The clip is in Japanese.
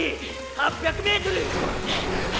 ８００ｍ！